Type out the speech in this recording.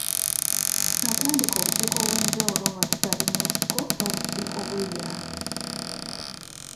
Natandika obukiiko obw’enjawulo nga tukyali mu nsiko n’obukiiko bw’ebyalo.